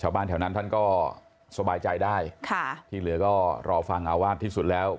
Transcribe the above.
ชาวบ้านแถวนั้นท่านก็สบายใจได้ค่ะที่เหลือก็รอฟังอาวาสที่สุดแล้ว